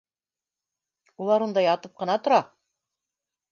Улар унда ятып ҡына тора